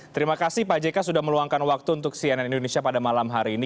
terima kasih pak jk sudah meluangkan waktu untuk cnn indonesia pada malam hari ini